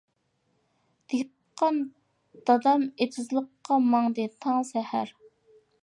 دېھقان دادام ئېتىزلىققا، ماڭدى تاڭ سەھەر.